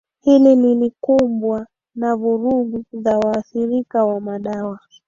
hilo lilikumbwa na vurugu za waathirika wa madawa